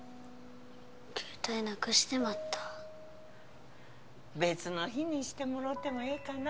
携帯なくしてまった別の日にしてもろうてもええかな？